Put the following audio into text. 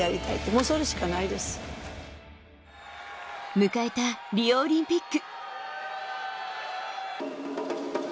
迎えたリオオリンピック。